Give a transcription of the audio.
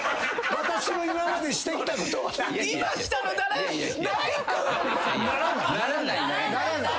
「私の今までしてきたことは！？」ならないならない。